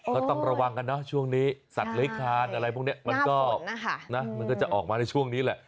ก็ต้องระวังกันนะช่วงนี้สัตว์เลื้อยคานอะไรพวกนี้มันก็จะออกมาในช่วงนี้แหละ